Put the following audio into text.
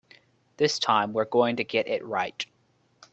This time we're going to get it right.